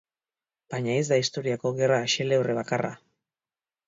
Baina ez da historiako gerra xelebre bakarra.